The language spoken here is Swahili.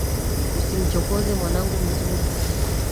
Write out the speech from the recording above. Usimchokoze mwanangu mzuri.